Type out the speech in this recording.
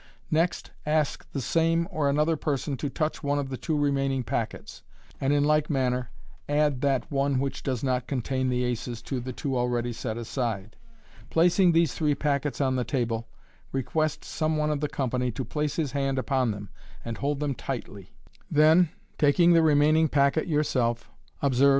Next ask the same or an other person to touch one of the two remaining packets, and in like manner add that one which does not contain the aces to the two already set aside. Placing these three packets on the table, request some one of the company to place his hand upon them, and hold them tightly; then, taking the remaining packet yourself, observe.